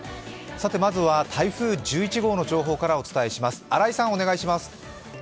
まずは台風１１号の情報からお伝えします。